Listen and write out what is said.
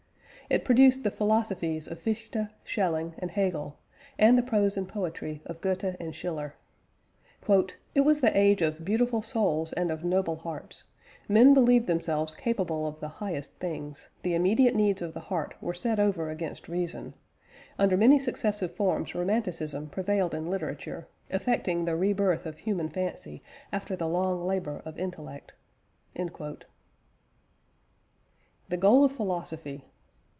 It produced the philosophies of Fichte, Schelling, and Hegel, and the prose and poetry of Goethe and Schiller. "It was the age of 'beautiful souls' and of 'noble hearts'; men believed themselves capable of the highest things; the immediate needs of the heart were set over against reason ... under many successive forms Romanticism prevailed in literature, effecting the re birth of human fancy after the long labour of intellect." THE GOAL OF PHILOSOPHY.